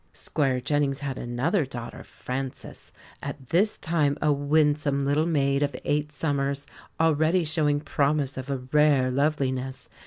Squire Jennings had another daughter, Frances, at this time a winsome little maid of eight summers, already showing promise of a rare loveliness.